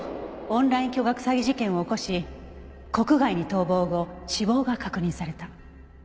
オンライン巨額詐欺事件を起こし国外に逃亡後死亡が確認された。